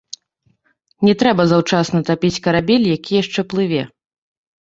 Не трэба заўчасна тапіць карабель, які яшчэ плыве.